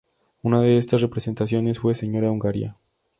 Una de estas representaciones fue Señora Hungaria.